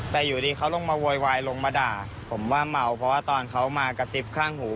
แต่อยู่ดีเขาลงมาโวยวายลงมาด่าผมว่าเมาเพราะว่าตอนเขามากระซิบข้างหู